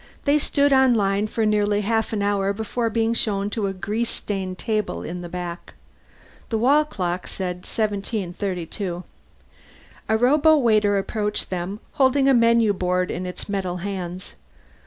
They stood on line for nearly half an hour before being shown to a grease stained table in the back. The wall clock said 1732. A robowaiter approached them, holding a menu board in its metal hands.